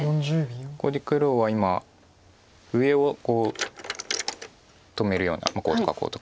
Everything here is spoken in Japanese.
これで黒は今上を止めるようなこうとかこうとか。